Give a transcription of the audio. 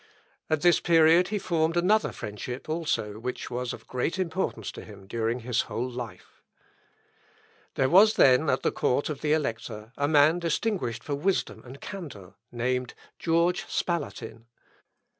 At this period he formed another friendship also, which was of great importance to him during his whole life. There was then at the court of the elector a man distinguished for wisdom and candour, named George Spalatin.